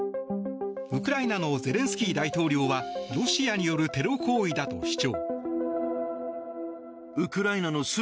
ウクライナのゼレンスキー大統領はロシアによるテロ行為だと主張。